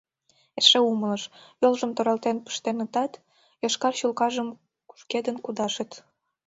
Эше умылыш: йолжым торалтен пыштенытат, йошкар чулкажым кушкедын кудашыт.